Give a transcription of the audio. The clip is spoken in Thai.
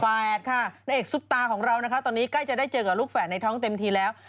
นางเอกซุปตาของเรานะคะตอนนี้ใกล้จะได้เจอกับลูกแฝดในท้องเต็มทีแล้ว